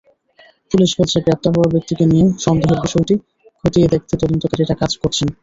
Police বলছে, গ্রেপ্তার হওয়া ব্যক্তিকে নিয়ে সন্দেহের বিষয়টি খতিয়ে দেখতে তদন্তকারীরা কাজ করছেন।